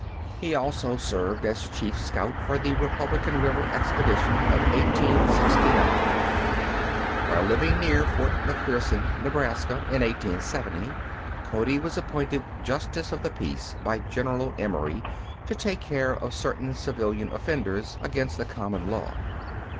He also served as chief scout for the Republican River Expedition of 1869. While living near Fort McPherson, Nebraska, in 1870, Cody was appointed justice of the peace by General Emory to take care of certain civilian offenders against the common law.